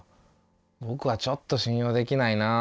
ぼくはちょっと信用できないなあ。